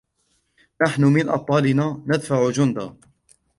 نحن من أبطالنا ندفع جندا